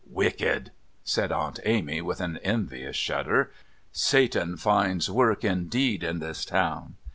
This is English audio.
"Wicked!" said Aunt Amy, with an envious shudder. "Satan finds work, indeed, in this town."